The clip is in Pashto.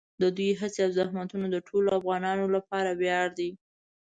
د دوی هڅې او زحمتونه د ټولو افغانانو لپاره ویاړ دي.